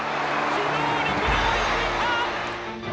機動力で追いついた！